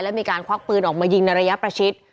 และมีการควักปืนออกมายิงในระยะประชิด